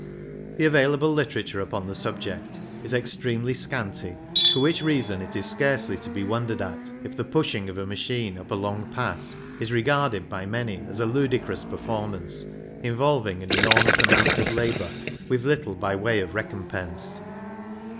The available literature upon the subject is extremely scanty, for which reason it is scarcely to be wondered at if the pushing of a machine up a long pass is regarded by many as a ludicrous performance, involving an enor mous amount of labour with little by way of recompense.